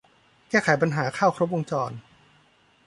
แก้ไขปัญหาข้าวครบวงจร